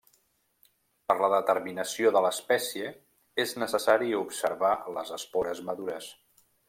Per la determinació de l'espècie és necessari observar les espores madures.